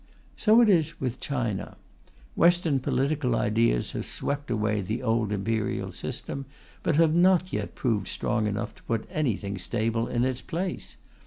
So it is with China. Western political ideas have swept away the old imperial system, but have not yet proved strong enough to put anything stable in its place.